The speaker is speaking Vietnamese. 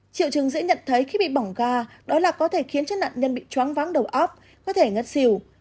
chịu trừng dễ nhận thấy khi bị bỏng ga đó là có thể khiến chất nạn nhân bị chóng vắng đầu óc có thể ngất xìu